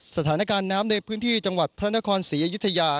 สถานการณ์น้ำในพื้นที่จังหวัดพระนครศรีอยุธยา